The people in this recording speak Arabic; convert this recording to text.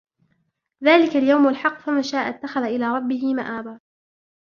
ذلك اليوم الحق فمن شاء اتخذ إلى ربه مآبا